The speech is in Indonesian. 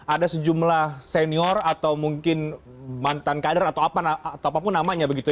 ada sejumlah senior atau mungkin mantan kader atau apapun namanya begitu